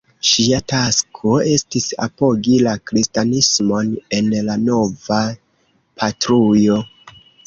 Ŝia tasko estis apogi la kristanismon en la nova patrujo.